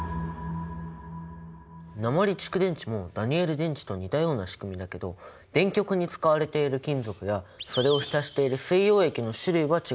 鉛蓄電池もダニエル電池と似たようなしくみだけど電極に使われている金属やそれを浸している水溶液の種類は違うんだね。